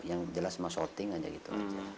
yang jelas sama shorting aja gitu